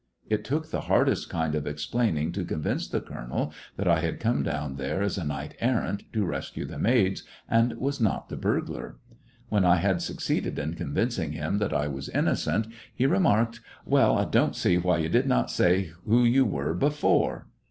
It took the hardest kind of explaining to convince the colonel that I had come down there as a knight errant to rescue the maids, and was not the burglar. When I had suc ceeded in convincing him that I was innocent, he remarked. "Well, I don't see why you did not say who you were before."